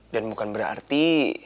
dan bukan berarti